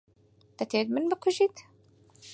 دەتەوێت من بکوژیت؟